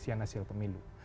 dengan hasil pemilu